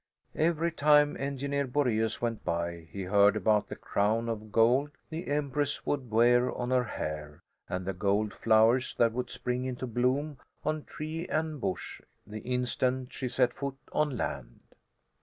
Every time Engineer Boraeus went by he heard about the crown of gold the Empress would wear on her hair and the gold flowers that would spring into bloom on tree and bush the instant she set foot on land.